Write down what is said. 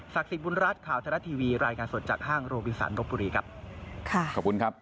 ศักดิ์สิทธิ์บุญรัฐข่าวธนาทีวีรายงานสดจากห้างโรบิสันโรคบุรีครับ